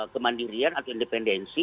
kemandirian atau independensi